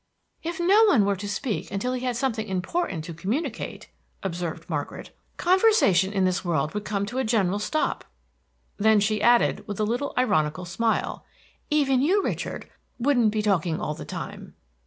"If no one were to speak until he had something important to communicate," observed Margaret, "conversation in this world would come to a general stop." Then she added, with a little ironical smile, "Even you, Richard, wouldn't be talking all the time."